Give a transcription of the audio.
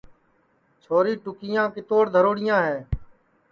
چھوری ٹُکیاں کِتوڑ دھروڑیاں ہے